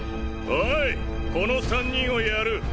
おいこの３人をやる。